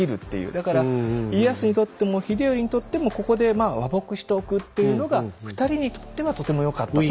だから家康にとっても秀頼にとってもここで和睦しておくっていうのが２人にとってはとてもよかったと。